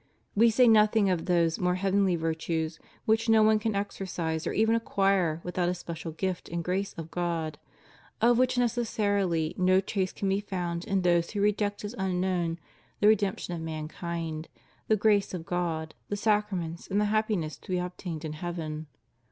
We say nothing of those more heavenly virtues, which no one can exercise or even acquire without a special gift and grace of God; of which necessarily no trace can be found in those who reject as unknown the redemption of mankind, the grace of God, the sacraments, and the happiness to be obtained in heaven.